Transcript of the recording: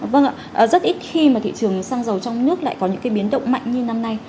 vâng ạ rất ít khi mà thị trường xăng dầu trong nước lại có những cái biến động mạnh như năm nay